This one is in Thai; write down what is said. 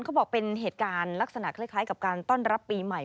เขาบอกเป็นเหตุการณ์ลักษณะคล้ายกับการต้อนรับปีใหม่